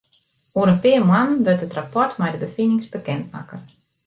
Oer in pear moannen wurdt it rapport mei de befinings bekend makke.